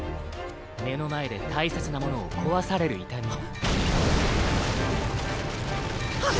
目の前で大切なものを壊される痛みが。あっ！